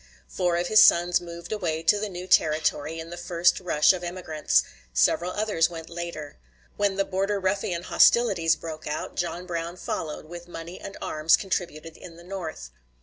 Four of his sons moved away to the new Territory in the first rush of emigrants; several others went later. When the Border Ruffian hostilities broke out, John Brown followed, with money and arms contributed in the North.